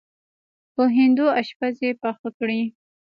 په هندو اشپز یې پخه کړې.